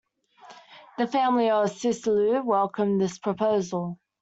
The family of Sisulu welcomed this proposal.